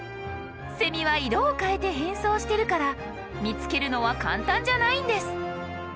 セミは色を変えて変装してるから見つけるのは簡単じゃないんです。